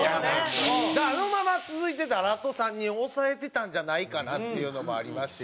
だからあのまま続いてたらあと３人抑えてたんじゃないかなっていうのもありますし。